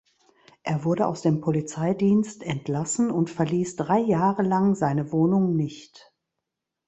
Er wurde aus dem Polizeidienst entlassen und verließ drei Jahre lang seine Wohnung nicht.